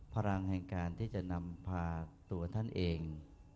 พลังแห่งการที่จะนำพาตัวท่านเอง